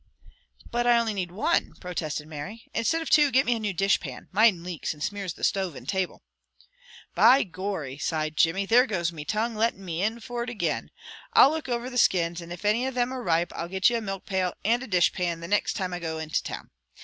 "But I only need one," protested Mary. "Instead of two, get me a new dishpan. Mine leaks, and smears the stove and table." "Be Gorry!" sighed Jimmy. "There goes me tongue, lettin' me in for it again. I'll look over the skins, and if any of thim are ripe, I'll get you a milk pail and a dishpan the nixt time I go to town.